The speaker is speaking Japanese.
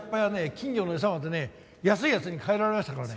金魚の餌までね安いやつに換えられましたね。